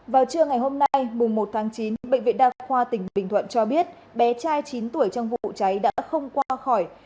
vào trưa ngày hôm nay mùng một tháng chín bệnh viện đa khoa tỉnh bình thuận cho biết bé trai chín tuổi trong vụ cháy đã không qua khỏi